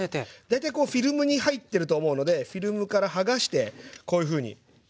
大体こうフィルムに入ってると思うのでフィルムから剥がしてこういうふうに２枚重ねます。